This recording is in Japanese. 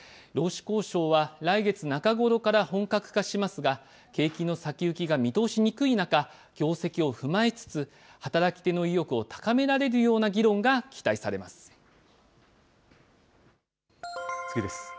労使交渉は来月中頃から本格化しますが、景気の先行きが見通しにくい中、業績を踏まえつつ、働き手の意欲を高められるような議論が期待されます。